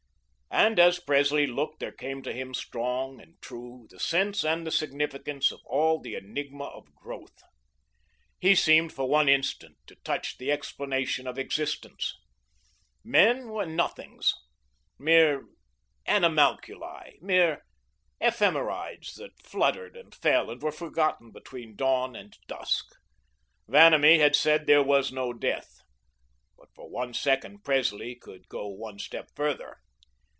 And as Presley looked there came to him strong and true the sense and the significance of all the enigma of growth. He seemed for one instant to touch the explanation of existence. Men were nothings, mere animalculae, mere ephemerides that fluttered and fell and were forgotten between dawn and dusk. Vanamee had said there was no death. But for one second Presley could go one step further.